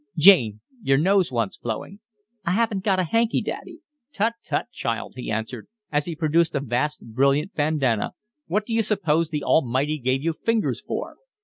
Jane, your nose wants blowing." "I haven't got a hanky, daddy." "Tut, tut, child," he answered, as he produced a vast, brilliant bandanna, "what do you suppose the Almighty gave you fingers for?"